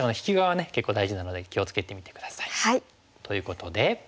結構大事なので気を付けてみて下さい。ということで。